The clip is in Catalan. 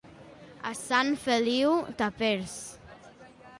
A Sant Feliu, tapers.